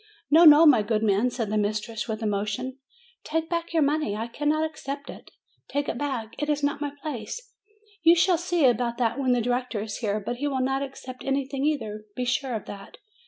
"No, no, my good man," said the mistress, with THE DEAF MUTE 309 emotion. "Take back your money. I cannot accept it. Take it back. It is not my place. You shall see about that when the director is here. But he will not accept anything either; be sure of that.